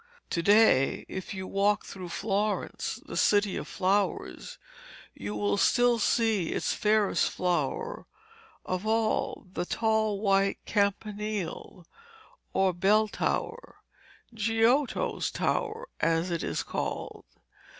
To day, if you walk through Florence, the City of Flowers, you will still see its fairest flower of all, the tall white campanile or bell tower, 'Giotto's tower' as it is called.